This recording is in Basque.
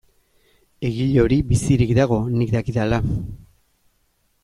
Egile hori bizirik dago, nik dakidala.